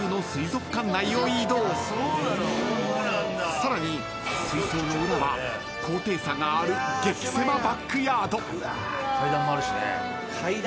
［さらに水槽の裏は高低差がある激狭バックヤード］